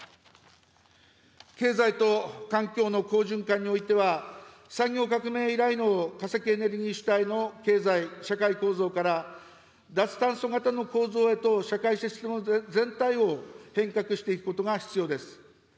経済と環境の好循環においては、産業革命以来の化石エネルギー主体の経済・社会構造から、脱炭素型の構造へと社会システム全体を変革していくことが必要です。